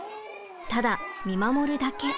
ただ見守るだけ。